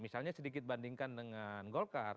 misalnya sedikit bandingkan dengan golkar